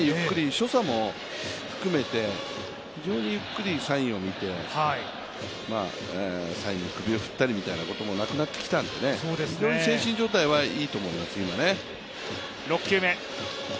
所作も含めて、非常にゆっくりサインを見て、サインに首を振ったりということもなくなってきてるので非常に精神状態はいいと思います、今ね。